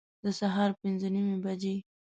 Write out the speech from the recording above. د سهار پنځه نیمي بجي